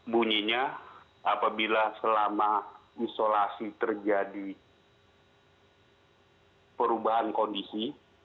bunyinya apabila selama isolasi terjadi perubahan kondisi